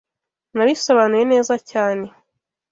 Nabisobanuye neza cyane